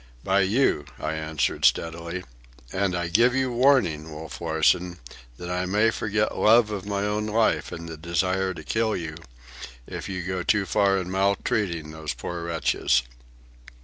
"By you," I answered steadily. "And I give you warning, Wolf Larsen, that I may forget love of my own life in the desire to kill you if you go too far in maltreating those poor wretches."